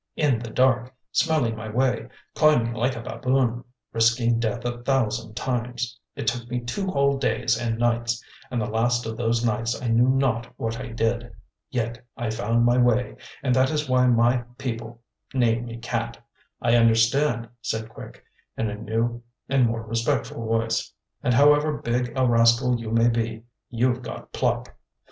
in the dark, smelling my way, climbing like a baboon, risking death a thousand times. It took me two whole days and nights, and the last of those nights I knew not what I did. Yet I found my way, and that is why my people name me Cat." "I understand," said Quick in a new and more respectful voice, "and however big a rascal you may be, you've got pluck.